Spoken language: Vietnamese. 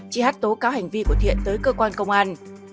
chị hát tố cáo hành vi của thiện tới cơ quan công an